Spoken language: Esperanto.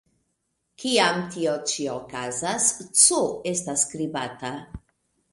Kiam tio ĉi okazas, "ts" estas skribata.